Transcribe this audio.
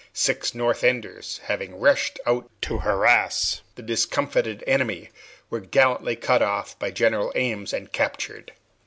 Six North Enders, having rushed out to harass the discomfited enemy, were gallantly cut off by General Ames and captured.